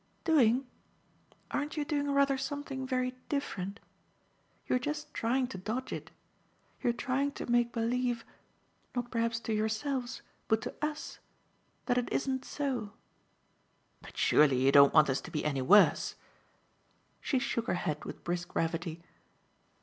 "Doing? Aren't you doing rather something very different? You're just trying to dodge it. You're trying to make believe not perhaps to yourselves but to US that it isn't so." "But surely you don't want us to be any worse!" She shook her head with brisk gravity.